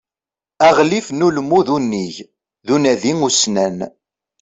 Aɣlif n ulmud unnig d unadi ussnan.